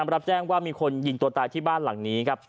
รับแจ้งว่ามีคนยิงตัวตายที่บ้านหลังนี้ครับ